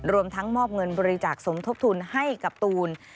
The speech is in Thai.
รวมทั้งมอบเงินบริจาคสมทบทุนให้กับตูน